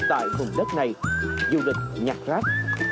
tại vùng đất này du lịch nhặt rác